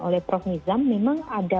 oleh prof nizam memang ada